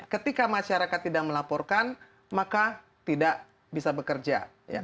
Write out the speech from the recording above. ketika masyarakat tidak melaporkan maka tidak bisa bekerja